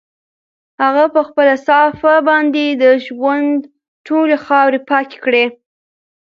هغه په خپله صافه باندې د ژوند ټولې خاورې پاکې کړې.